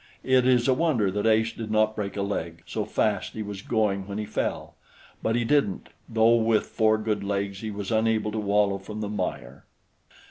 It is a wonder that Ace did not break a leg, so fast he was going when he fell; but he didn't, though with four good legs he was unable to wallow from the mire.